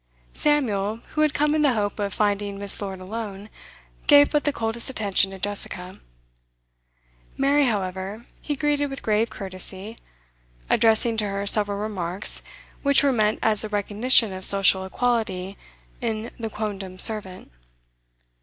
Samuel, who had come in the hope of finding Miss. Lord alone, gave but the coldest attention to Jessica; Mary, however, he greeted with grave courtesy, addressing to her several remarks which were meant as a recognition of social equality in the quondam servant.